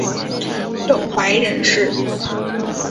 董槐人士。